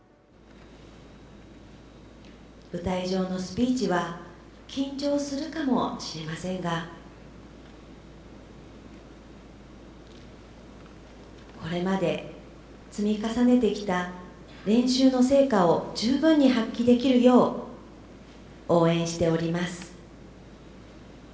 舞台上のスピーチは、緊張するかもしれませんが、これまで積み重ねてきた練習の成果を十分に発揮できるよう応援しております。